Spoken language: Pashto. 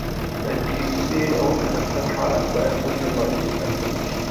د کیسې او کرکټر حالت باید په ژبه کې څرګند شي